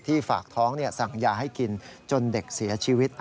ฝากท้องสั่งยาให้กินจนเด็กเสียชีวิต